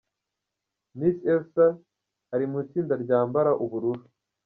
Miss Elsa ari umutsinda ryambara ubururu.